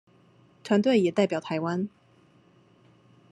團隊也代表臺灣